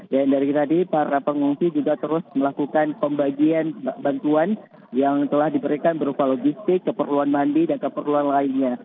dan dari tadi para pengungsi juga terus melakukan pembagian bantuan yang telah diberikan berupa logistik keperluan mandi dan keperluan lainnya